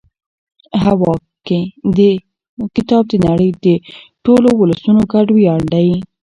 هوکې دا کتاب د نړۍ د ټولو ولسونو ګډ ویاړ دی.